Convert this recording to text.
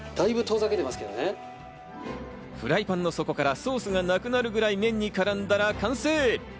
フライパンの底からソースがなくなるくらい麺に絡んだら完成。